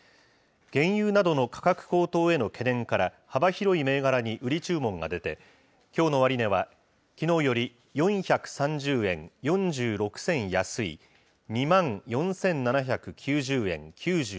原油などの価格高騰への懸念から、幅広い銘柄に売り注文が出て、きょうの終値は、きのうより４３０円４６銭安い、２万４７９０円９５銭。